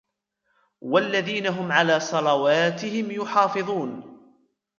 وَالَّذِينَ هُمْ عَلَى صَلَوَاتِهِمْ يُحَافِظُونَ